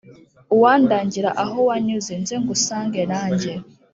uwandangira aho wanyuze, nze ngusange nanjye